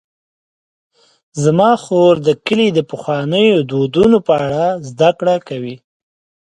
زما خور د کلي د پخوانیو دودونو په اړه زدهکړه کوي.